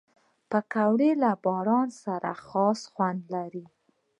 پکورې له باران سره خاص خوند لري